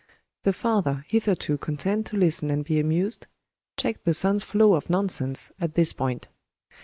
The father, hitherto content to listen and be amused, checked the son's flow of nonsense at this point.